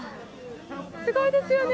すごいですよね。